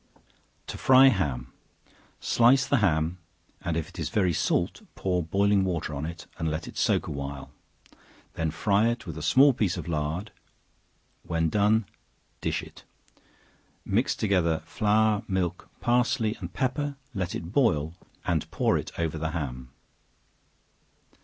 To Fry Ham. Slice the ham and if it is very salt, pour boiling water on it, and let it soak a while; then fry it with a small piece of lard; when done, dish it; mix together flour, milk, parsley and pepper, let it boil, and pour it over the ham.